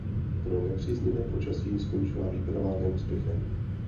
Pro nepříznivé počasí skončila výprava neúspěchem.